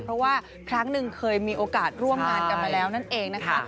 เพราะว่าครั้งหนึ่งเคยมีโอกาสร่วมงานกันมาแล้วนั่นเองนะคะ